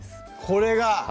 これが！